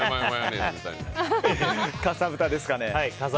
かさぶたですね。